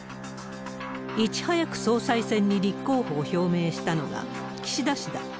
いち早く総裁選に立候補を表明したのが岸田氏だ。